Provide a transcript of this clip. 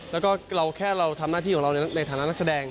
แล้วก็เราแค่เราทำหน้าที่ของเราในฐานะนักแสดง